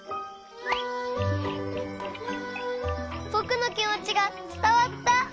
ぼくのきもちがつたわった！